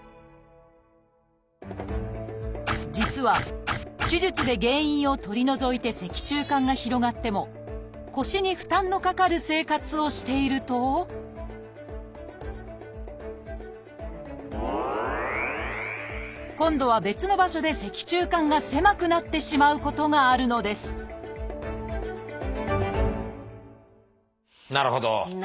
実は手術で原因を取り除いて脊柱管が広がっても腰に負担のかかる生活をしていると今度は別の場所で脊柱管が狭くなってしまうことがあるのですなるほど！